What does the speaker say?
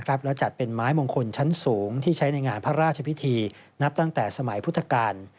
และจัดเป็นไม้มงคลชั้นสูงที่ใช้ในงานพระราชพิธีนับตั้งแต่สมัยพุทธกาล